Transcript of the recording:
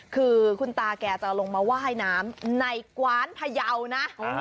คือคุณตาแกจะลงมาว่ายน้ำในกว้านพยาวนะ